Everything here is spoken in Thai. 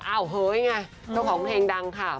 เฮ้ยไงเจ้าของเพลงดังค่ะ